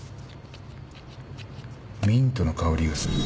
ミントの香りがする。